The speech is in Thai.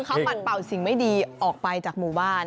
เขาปัดเป่าสิ่งไม่ดีออกไปจากหมู่บ้าน